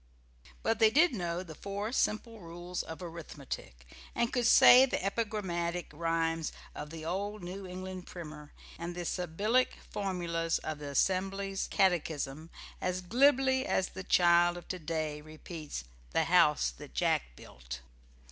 But they did know the four simple rules of arithmetic, and could say the epigrammatic rhymes of the old New England Primer and the sibyllic formulas of the Assembly's Catechism as glibly as the child of to day repeats "The House That Jack Built."